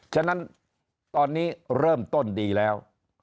ฉะนั้นตอนนี้เริ่มต้นดีแล้ว